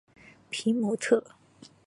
皮特姆。